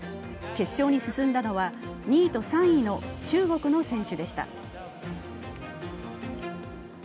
決勝に進んだのは、２位と３位の中国の選手でした。